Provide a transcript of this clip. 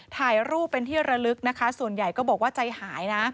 ถ่ายรูปเป็นที่ระลึกนะคะส่วนใหญ่ก็บอกว่าใจหายนะ